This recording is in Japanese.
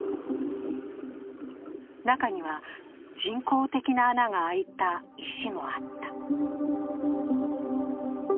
中には、人工的な穴が開いた石もあった。